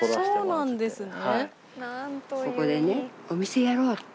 そうなんですね。